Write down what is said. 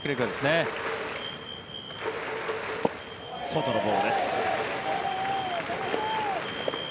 外のボールです。